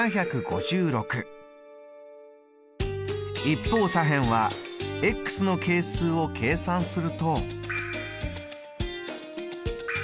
一方左辺はの係数を計算すると。